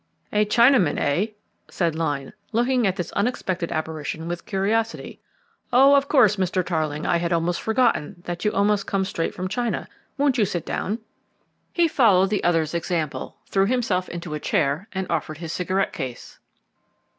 "A Chinaman, eh?" said Lyne, looking at this unexpected apparition with curiosity. "Oh, of course, Mr. Tarling, I had almost forgotten that you've almost come straight from China. Won't you sit down?" He followed the other's example, threw himself into a chair and offered his cigarette case.